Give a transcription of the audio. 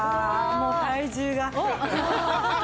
もう体重が。